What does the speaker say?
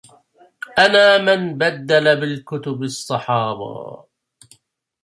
أنا من بدل بالكتب الصحابا